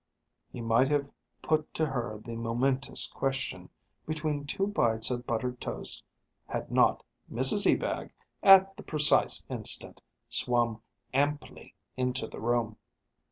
He might have put to her the momentous question, between two bites of buttered toast, had not Mrs Ebag, at the precise instant, swum amply into the room.